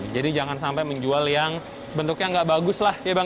jadi jangan sampai menjual yang bentuknya tidak bagus lah ya bang